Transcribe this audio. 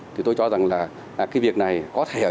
thì tôi cho rằng là cái việc này có thể ở việt nam